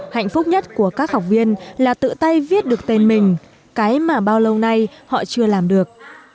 hạnh phúc nhất của các học viên là tự tay viết được tên mình cái mà bao lâu nay họ chưa làm được